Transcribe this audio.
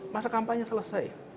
masa kampanye selesai